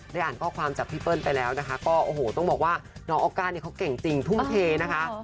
อ่านข้อความจากพี่เปิ้ลไปแล้วนะคะก็โอ้โหต้องบอกว่าน้องออก้าเนี่ยเขาเก่งจริงทุ่มเทนะคะ